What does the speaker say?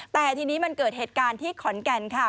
แต่ทีนี้มันเกิดเหตุการณ์ที่ขอนแก่นค่ะ